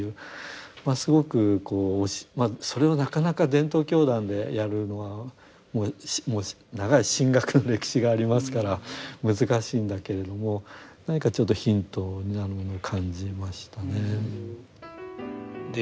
すごくこうそれをなかなか伝統教団でやるのはもう長い神学の歴史がありますから難しいんだけれども何かちょっとヒントになるものを感じましたね。